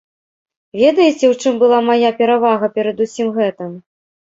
Ведаеце, у чым была мая перавага перад усім гэтым?